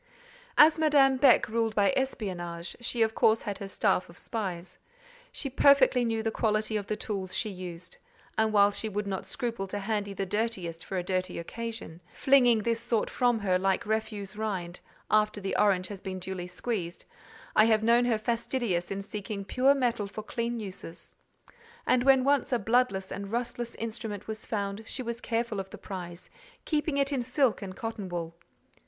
As Madame Beck ruled by espionage, she of course had her staff of spies: she perfectly knew the quality of the tools she used, and while she would not scruple to handle the dirtiest for a dirty occasion—flinging this sort from her like refuse rind, after the orange has been duly squeezed—I have known her fastidious in seeking pure metal for clean uses; and when once a bloodless and rustless instrument was found, she was careful of the prize, keeping it in silk and cotton wool.